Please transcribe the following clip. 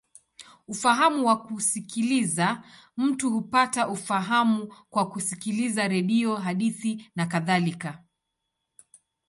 Ufahamu wa kusikiliza: mtu hupata ufahamu kwa kusikiliza redio, hadithi, nakadhalika.